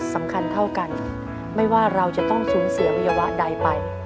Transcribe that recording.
สำคัญเท่ากันไม่ว่าเราจะต้องสูญเสียวัยวะใดไป